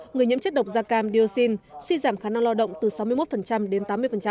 người nhiễm chất độc da cam dioxin suy giảm khả năng lao động từ sáu mươi một đến tám mươi